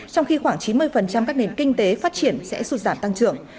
trong khi khoảng chín mươi các nền kinh tế phát triển sẽ sụt giảm tăng trưởng